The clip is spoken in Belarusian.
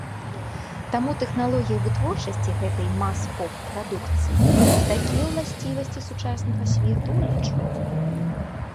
Таму тэхналогія вытворчасці гэтай мас-поп-прадукцыі такія ўласцівасці сучаснага свету ўлічвае.